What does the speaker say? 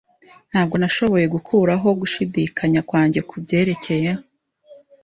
Ntabwo nashoboye gukuraho gushidikanya kwanjye kubyerekeye.